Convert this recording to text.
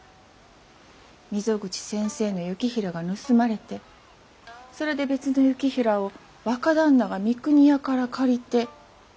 溝口先生の行平が盗まれてそれで別の行平を若旦那が三国屋から借りてお貸しした。